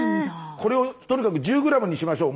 これをとにかく１０ｇにしましょう。